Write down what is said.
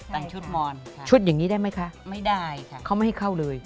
แต่งชุดมอนชุดอย่างนี้ได้ไหมคะไม่ได้เขาไม่ให้เข้าเลย